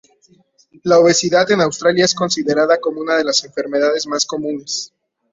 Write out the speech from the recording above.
La obesidad en Australia es considerada como una de las enfermedades más comunes.